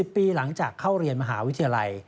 ปีหลังจากเข้าเรียนมหาวิทยาลัย